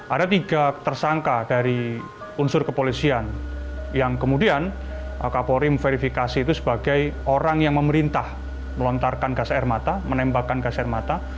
ada tiga tersangka dari unsur kepolisian yang kemudian kapolri verifikasi itu sebagai orang yang memerintah melontarkan gas air mata menembakkan gas air mata